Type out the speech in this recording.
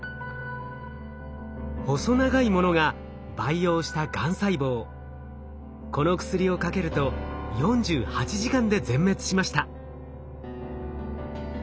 細長いものが培養したこの薬をかけると４８時間で全滅しました。